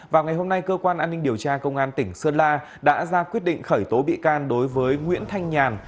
vào ngày hôm nay cơ quan an ninh điều tra công an tỉnh sơn la đã ra quyết định khởi tố bị can đối với nguyễn thanh nhàn